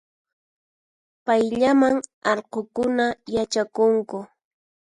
Payllaman allqunkuna yachakunku